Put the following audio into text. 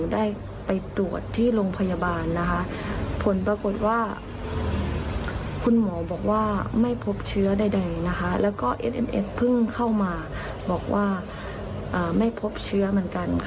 เดี๋ยวไปฟังกันนะ